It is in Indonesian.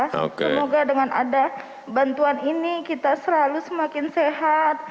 semoga dengan ada bantuan ini kita selalu semakin sehat